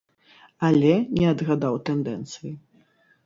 Але не адгадаў тэндэнцыі.